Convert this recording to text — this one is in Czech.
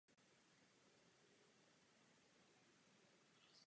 Prohlašuji zasedání Evropského parlamentu za ukončené.